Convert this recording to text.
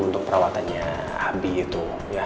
untuk perawatannya abi itu